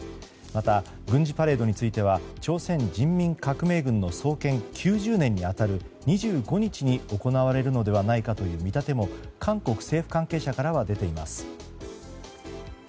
また、軍事パレードについては朝鮮人民革命軍の創建９０年に当たる２５日に行われるのではないかという見立ても、韓国政府関係者からは出ています。